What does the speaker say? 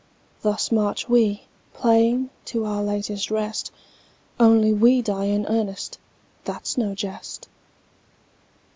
Thus march we, playing, to our latest rest, Only we die in earnest, that's no jest.